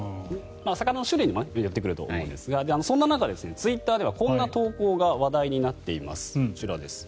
魚の種類によっても異なると思うんですがそんな中、ツイッターではこんな投稿が話題になっていますこちらです。